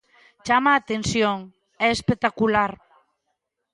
Chama a atención, é espectacular.